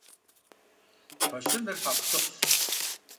Кхъуэщыныр хьэкъущыкъущ.